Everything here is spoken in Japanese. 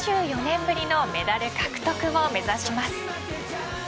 ２４年ぶりのメダル獲得を目指します。